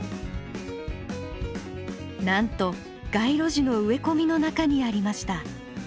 なんと街路樹の植え込みの中にありました！